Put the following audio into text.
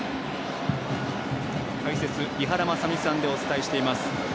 解説、井原正巳さんでお伝えしています。